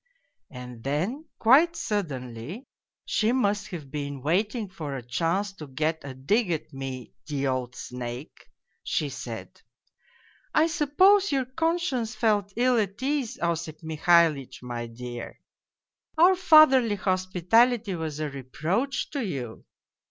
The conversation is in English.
" And then quite suddenly she must have been waiting for a chance to get a dig at me, the old snake she said ' I suppose your conscience felt ill at ease, Osip Mihalitch, my dear ! Our fatherly hospitality was a reproach to you